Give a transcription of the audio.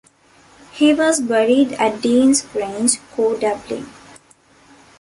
He was buried at Dean's Grange, co. Dublin.